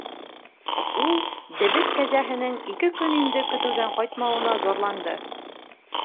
Ул дебет кәзәһенең ике көн инде көтөүҙән ҡайтмауына зарланды.